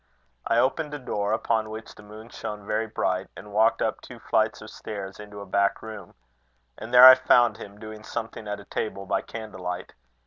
I opened a door, upon which the moon shone very bright, and walked up two flights of stairs into a back room. And there I found him, doing something at a table by candlelight.